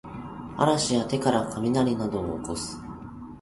嵐や手からかみなりなどをおこす